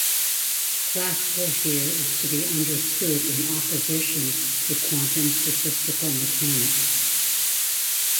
Classical here is to be understood in opposition to quantum statistical mechanics.